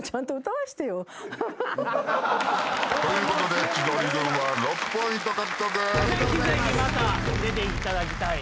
ぜひぜひまた出ていただきたい。